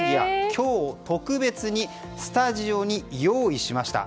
今日、特別にスタジオに用意しました。